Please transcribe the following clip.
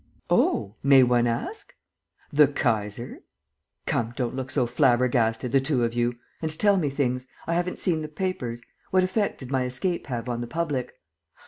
"Oh, may one ask ...?" "The Kaiser! Come, don't look so flabbergasted, the two of you! And tell me things: I haven't seen the papers. What effect did my escape have on the public?"